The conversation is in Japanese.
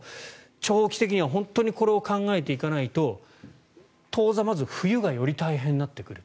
長期的には本当にこれを考えていかないと当座、まず冬がより大変になってくる。